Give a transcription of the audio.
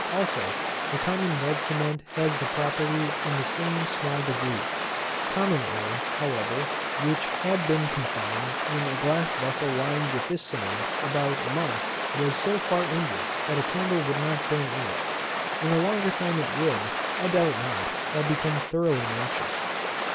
Also the common red cement has this property in the same small degree. Common air, however, which had been confined in a glass vessel lined with this cement about a month, was so far injured that a candle would not burn in it. In a longer time it would, I doubt not, have become thoroughly noxious.